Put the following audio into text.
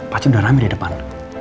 pacu udah rame di depan